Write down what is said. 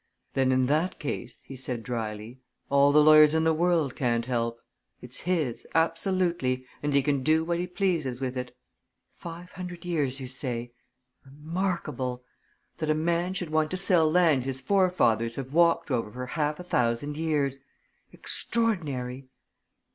"Then in that case," he said dryly, "all the lawyers in the world can't help. It's his absolutely and he can do what he pleases with it. Five hundred years, you say? Remarkable! that a man should want to sell land his forefathers have walked over for half a thousand years! Extraordinary!"